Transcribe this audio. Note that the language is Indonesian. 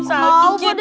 mau pak deh